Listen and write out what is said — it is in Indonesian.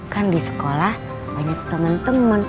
kan di sekolah banyak teman teman